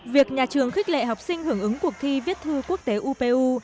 việc nhà trường khích lệ học sinh hưởng ứng cuộc thi viết thư quốc tế upu